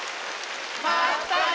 まったね！